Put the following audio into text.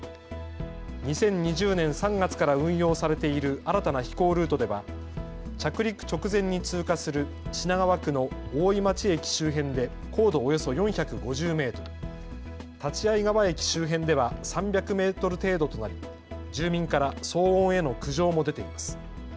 ２０２０年３月から運用されている新たな飛行ルートでは着陸直前に通過する品川区の大井町駅周辺で高度およそ４５０メートル、立会川駅周辺では３００メートル程度となり住民から騒音への苦情も出ています。